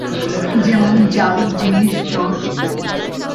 যেমন "জাল", "জিনিস", "জ্বর", ইত্যাদি।